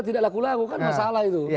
tidak laku lagu kan masalah itu